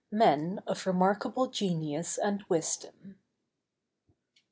MEN OF REMARKABLE GENIUS AND WISDOM.